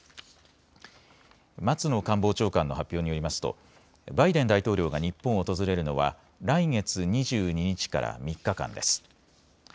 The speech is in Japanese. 松野官房長官の発表によりますとバイデン大統領が日本を訪れるのは来月２２日から３日間です。